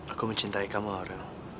aku mencintai kamu aurel